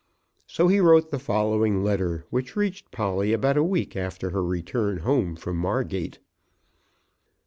So he wrote the following letter, which reached Polly about a week after her return home from Margate.